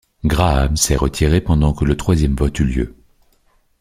Graham s'est retiré pendant que le troisième vote eu lieu.